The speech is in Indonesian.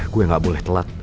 gue gak boleh telat